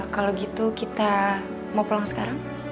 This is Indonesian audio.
kalau gitu kita mau pulang sekarang